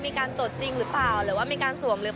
ถ้าเกิดสมมติมีข้อมูลอื่นที่ปันสามารถให้ได้